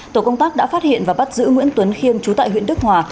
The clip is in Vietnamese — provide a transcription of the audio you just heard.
tổ công tác đã phát hiện và bắt giữ nguyễn tuấn khiêm trú tại huyện đức hòa